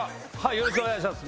よろしくお願いします。